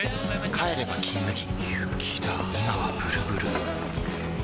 帰れば「金麦」